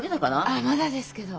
あっまだですけど。